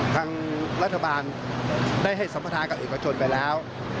ทางรัฐบาลได้ให้สัมประธานกับเอกชนไปแล้ว